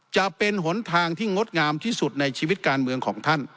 จะเป็นหนทางที่งดงามที่สุดในชีวิตการเมืองของท่าน